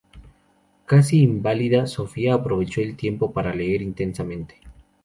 Casi inválida, Sofía aprovechó el tiempo para leer intensamente.